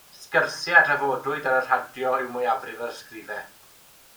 Sgyrsiau a draddodwyd ar y radio yw mwyafrif yr ysgrifau.